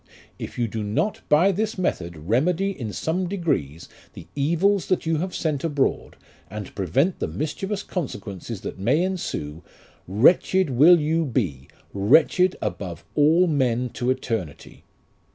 If you do not by this method remedy in some degree the evils that you have sent abroad, and prevent the mischievous consequences that may ensue, wretched will you be, wretched above all men to eternity.